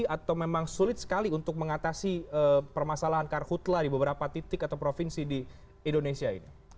atau memang sulit sekali untuk mengatasi permasalahan karhutlah di beberapa titik atau provinsi di indonesia ini